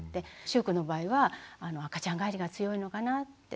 しゅうくんの場合は赤ちゃん返りが強いのかなって。